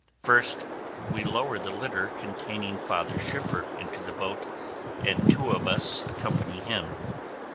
First, we lower the litter containing Father Schiffer into the boat and two of us accompany him.